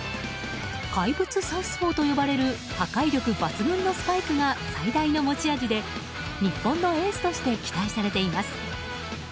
怪物サウスポーと呼ばれる破壊力抜群のスパイクが最大の持ち味で日本のエースとして期待されています。